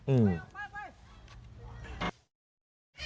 อืม